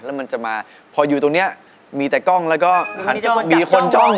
แล้วมันจะมาพออยู่ตรงนี้มีแต่กล้องแล้วก็หันมีคนจ้อง